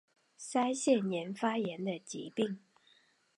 腮腺炎发炎的疾病。